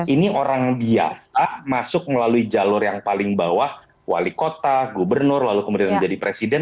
ini orang biasa masuk melalui jalur yang paling bawah wali kota gubernur lalu kemudian menjadi presiden